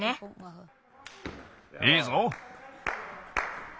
いいぞ！